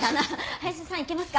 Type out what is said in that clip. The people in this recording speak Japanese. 林田さんいけますか？